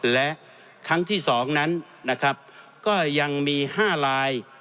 และครั้งที่๒นั้นนะครับก็ยังมี๕ลาย